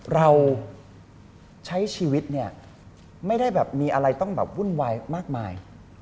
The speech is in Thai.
เราใช้ชีวิตเนี่ยไม่ได้แบบมีอะไรต้องแบบวุ่นวายมากมาย